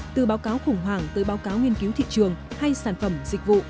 từ báo cáo khủng hoảng tới báo cáo nghiên cứu thị trường hay sản phẩm dịch vụ